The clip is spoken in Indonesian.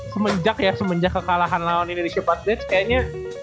semenjak ya semenjak kekalahan lawan indonesia buddlets kayaknya